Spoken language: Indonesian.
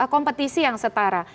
kompetisi yang setara